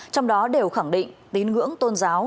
trong đó đều khẳng định tín ngưỡng tôn giáo